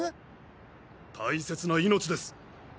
大切な命です。